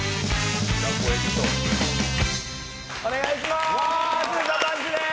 お願いしまーす。